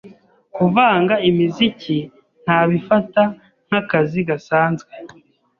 kuvanga imiziki ntabifata nk’akazi gasanzwe